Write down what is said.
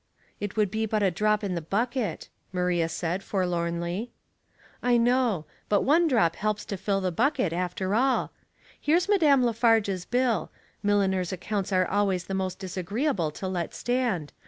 *' It would be but a drop in the bucket," Ma ria said, forlornly. " I know ; but one drop helps to fill the buck et after all. Here's Madame La Farge's bill. Milliners' accounts are always the most disagree able to let stand.